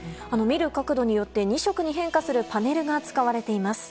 見る角度によって２色に変化するパネルが使われています。